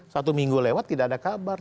satu minggu lewat tidak ada kabar